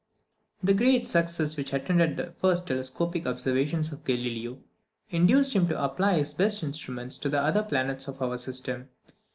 _ The great success which attended the first telescopic observations of Galileo, induced him to apply his best instruments to the other planets of our system.